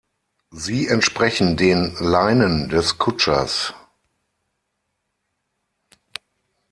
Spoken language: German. Sie entsprechen den "Leinen" des Kutschers.